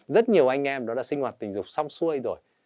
rất nhiều anh em đó đã sinh hoạt tình dục xong xuôi rồi